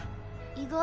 意外。